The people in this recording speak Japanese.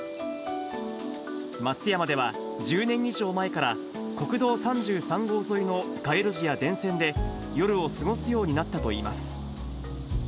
松山では１０年以上前から、国道３３号沿いの街路樹や電線で、夜を過ごすようになったといいます。